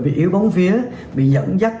bị yêu bóng vía bị dẫn dắt